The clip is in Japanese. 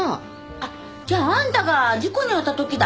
あっじゃああんたが事故に遭った時だ。